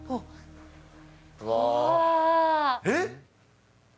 えっ？